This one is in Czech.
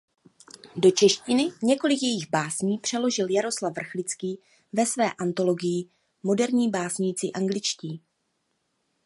Do češtiny několik jejích básní přeložil Jaroslav Vrchlický ve své antologii "Moderní básníci angličtí".